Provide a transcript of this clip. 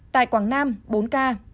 tại quảng nam bốn ca